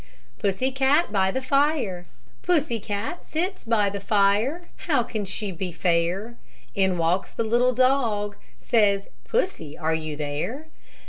PUSSY CAT BY THE FIRE Pussy cat sits by the fire; How can she be fair? In walks the little dog; Says: "Pussy, are you there?